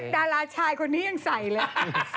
ดาราชายคนนี้ยังใส่เลย